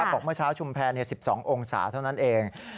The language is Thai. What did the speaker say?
เมื่อเช้าชุมแพร๑๒องศาเท่านั้นเอง